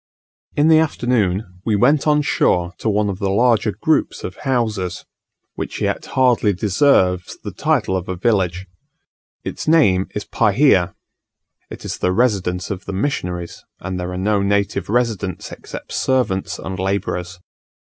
In the afternoon we went on shore to one of the larger groups of houses, which yet hardly deserves the title of a village. Its name is Pahia: it is the residence of the missionaries; and there are no native residents except servants and labourers.